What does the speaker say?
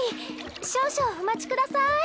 少々お待ちください。